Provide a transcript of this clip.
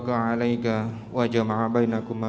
dengan emas kawin yang tersebut